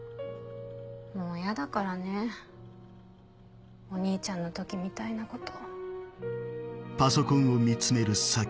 もうやだからねお兄ちゃんの時みたいなこと。